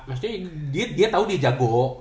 maksudnya dia tahu dia jago